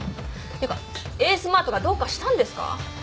ってかエースマートがどうかしたんですか？